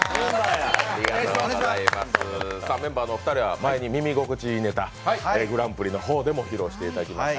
メンバーのお二人は前に耳心地いいネタグランプリの方でも披露していただきまして。